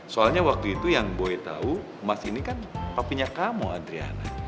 soalnya waktu itu yang boy tahu mas ini kan kopinya kamu adriana